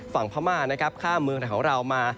ฝั่งพม่านะครับข้ามเมืองเหล่าเรามา